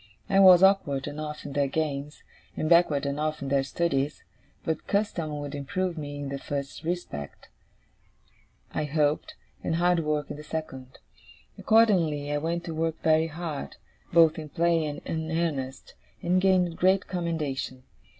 I was awkward enough in their games, and backward enough in their studies; but custom would improve me in the first respect, I hoped, and hard work in the second. Accordingly, I went to work very hard, both in play and in earnest, and gained great commendation.